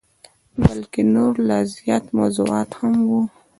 بلکه نور لا زیات موضوعات هم وه.